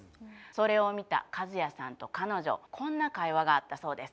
それを見たカズヤさんと彼女こんな会話があったそうです。